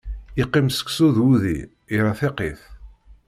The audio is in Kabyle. Iqqim seksu d wudi, irra tiqit.